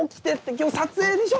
今日撮影でしょ！